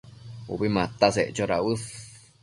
Ubi mataseccho dauës